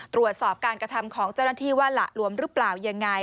ตรวจสอบการกระทำของเจ้าหน้าที่ว่าหละลวมหรือเปล่ายังไง